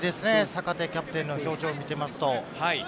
坂手キャプテンの表情を見ていると。